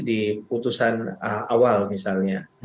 di putusan awal misalnya